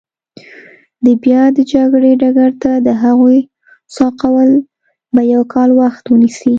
د بیا د جګړې ډګر ته د هغوی سوقول به یو کال وخت ونیسي.